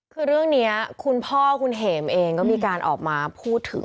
คือเรื่องนี้คุณพ่อคุณเหมเองก็มีการออกมาพูดถึง